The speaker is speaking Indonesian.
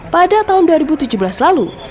pada tahun dua ribu tujuh belas lalu